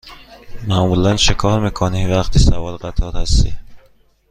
معمولا چکار می کنی وقتی سوار قطار هستی؟